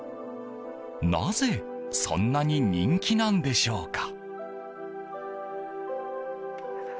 なぜ、そんなに人気なんでしょうか。